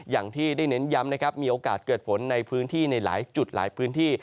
อย่างที่ได้เน้นย้ำนะครับมีโอกาสเกิดฝนในพื้นที่ในหลายจุดหลายพื้นที่